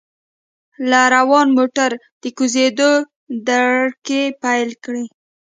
له روان موټره د کوزیدو دړکې پېل کړې.